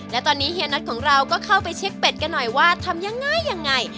และตอนนี้เฮียนัทของเราก็เข้าไปเช็คเป็ดกันหน่อยว่าทำยังไงยังไง